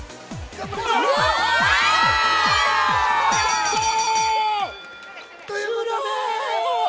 ◆やったあ！